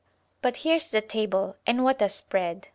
But here's the table, and what a spread!